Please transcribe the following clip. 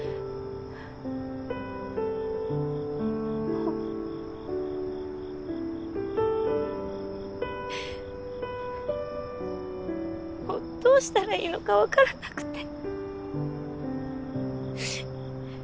もうどうしたらいいのかわからなくて。